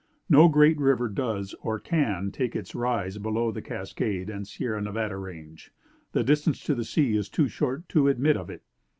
No great river does, or can, take its rise below the Cascade and Sierra Nevada Range; the distance to the sea is too short to admit of it.